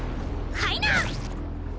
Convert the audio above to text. はいな！